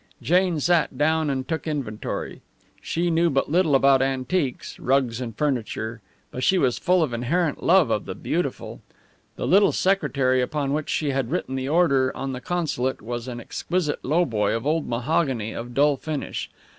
Jane sat down and took inventory. She knew but little about antiques rugs and furniture but she was full of inherent love of the beautiful. The little secretary upon which she had written the order on the consulate was an exquisite lowboy of old mahogany of dull finish.